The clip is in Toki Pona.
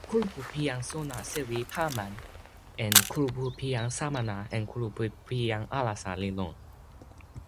kulupu pi jan sona sewi Paman en kulupu pi jan Samana en kulupu pi jan alasa li lon.